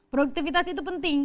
produktivitas itu penting